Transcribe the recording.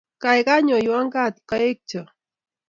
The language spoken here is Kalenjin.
Kaikai, nyoiwo kaat kaekcho